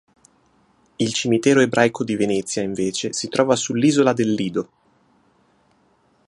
Il cimitero ebraico di Venezia, invece, si trova sull'isola del Lido.